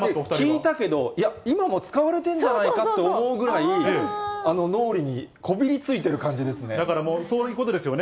聞いたけど、今も使われてるんじゃないかと思うぐらい、だからもう、そういうことですよね。